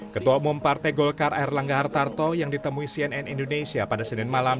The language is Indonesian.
ketua umum partai golkar erlangga hartarto yang ditemui cnn indonesia pada senin malam